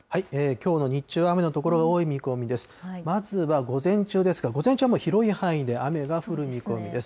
きょうの日中、雨の所が多い見込みです。